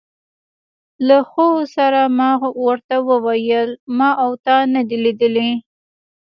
له خو سره ما ور ته وویل: ما او تا نه دي لیدلي.